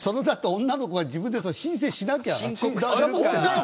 女の子が自分たちで申請しないと。